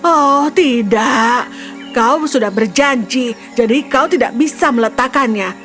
oh tidak kau sudah berjanji jadi kau tidak bisa meletakkannya